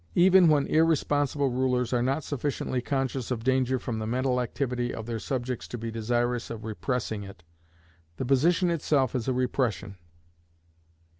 Even when irresponsible rulers are not sufficiently conscious of danger from the mental activity of their subjects to be desirous of repressing it, the position itself is a repression.